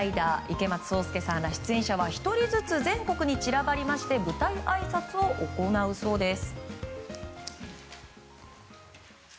池松壮亮さんら出演者が１人ずつ全国に散らばり舞台あいさつを行うそうです。